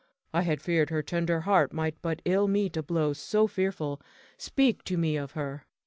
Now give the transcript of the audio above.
I had feared her tender heart might but ill meet a blow so fearful. Speak to me of her.